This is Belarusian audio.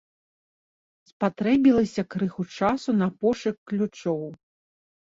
Спатрэбілася крыху часу на пошук ключоў.